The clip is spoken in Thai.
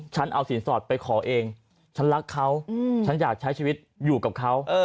ฉันเอาสินสอดไปขอเองฉันรักเขาฉันอยากใช้ชีวิตอยู่กับเขา